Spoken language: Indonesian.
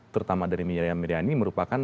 terutama dari miriam miryani merupakan